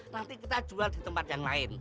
nanti kita jual di tempat yang lain